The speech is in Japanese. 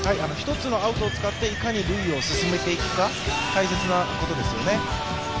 １つのアウトを使っていかに塁を進めていくか大切なことですよね。